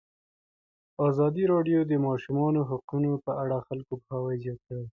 ازادي راډیو د د ماشومانو حقونه په اړه د خلکو پوهاوی زیات کړی.